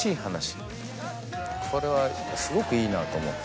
これはすごくいいなと思って。